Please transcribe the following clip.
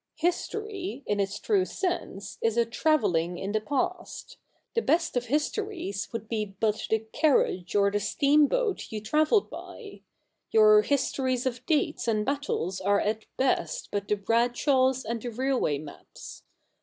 History, in its true sense, is a travelling in the past ; the best of histories would be but the carriage or the steamboat you travelled by ; your histories of dates and battles are at best but the Bradshaws and the railway maps.